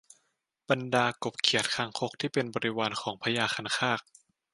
บรรดากบเขียดคางคกที่เป็นบริวารของพญาคันคาก